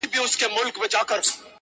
• دا چي مي تر سترګو میکده میکده کيږې..